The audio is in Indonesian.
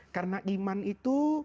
karena iman itu